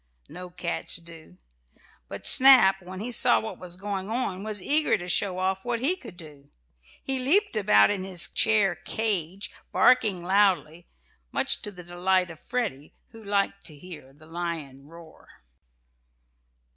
No cats do. But Snap, when he saw what was going on, was eager to show off what he could do. He leaped about in his chair "cage," barking loudly, much to the delight of Freddie who liked to hear the "lion" roar.